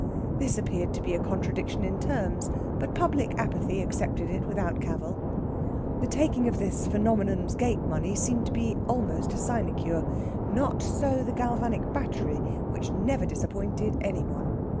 This appeared to be a contradiction in terms, but public apathy accepted it without cavil. The taking of this phenomenon's gate money seemed to be almost a sinecure. Not so the galvanic battery, which never disappointed any one.